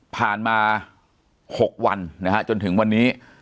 ผ่านมา๖วันนะฮะจนถึงวันนี้